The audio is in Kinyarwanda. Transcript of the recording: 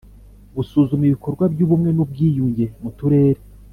Gusuzuma ibikorwa by ubumwe n ubwiyunge mu turere